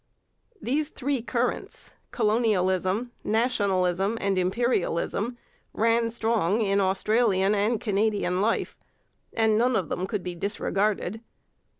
These three currents, colonialism, nationalism, and imperialism, ran strong in Australian and Canadian life, and none of them could be disregarded.